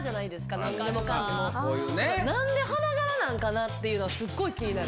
なんで花柄なんかなっていうのは、すっごい気になる。